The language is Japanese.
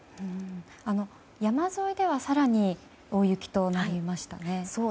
山沿いでは更に大雪となりましたね。